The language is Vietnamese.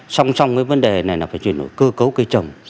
song song với vấn đề này là phải chuyển đổi cơ cấu cây trồng